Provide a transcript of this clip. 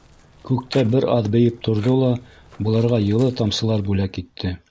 Күктә бер аҙ бейеп торҙо ла быларға йылы тамсылар бүләк итте.